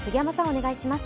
お願いします。